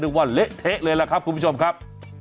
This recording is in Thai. นึกว่าเละเทะเลยแหละครับคุณผู้ชมครับ